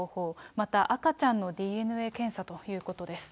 また赤ちゃんのＤＮＡ検査ということです。